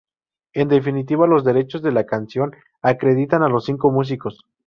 En definitiva los derechos de la canción acreditan a los cinco músicos.